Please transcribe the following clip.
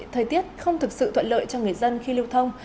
thời tiết không thực sự thuận lợi cho người dân khi lưu thông